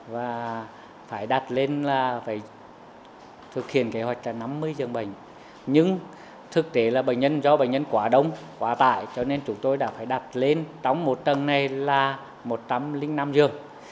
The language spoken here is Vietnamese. bệnh nhân quá đông quá tải cho nên chúng tôi đã phải đặt lên tống một tầng này là một trăm linh năm giường